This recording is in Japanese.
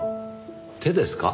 手ですか？